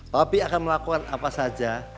tapi akan melakukan apa saja